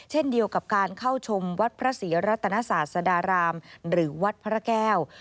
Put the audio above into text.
เช่นเดียวกับการเข้าชมวัดพระศรีรัตนศาสดารามหรือวัดพระแก้ว